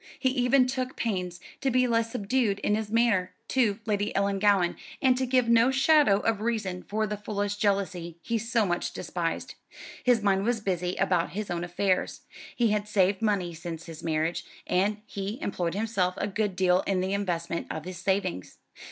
He even took pains to be less subdued in his manner to Lady Ellangowan, and to give no shadow of reason for the foolish jealousy he so much despised. His mind was busy about his own affairs. He had saved money since his marriage, and he employed himself a good deal in the investment of his savings.